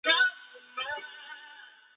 黄锡麟出任第一任会长。